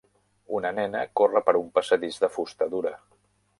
Una nena corre per un passadís de fusta dura